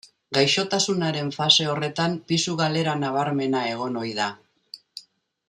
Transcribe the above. Gaixotasunaren fase horretan pisu galera nabarmena egon ohi da.